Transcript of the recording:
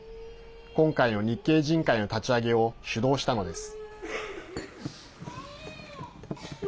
今回の日系人会の立ち上げを主導したのです。